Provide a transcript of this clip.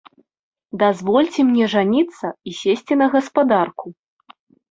Дазвольце мне жаніцца і сесці на гаспадарку.